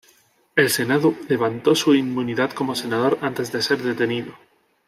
El Senado levantó su inmunidad como senador antes de ser detenido.